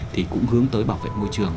thì cũng hướng tới bảo vệ môi trường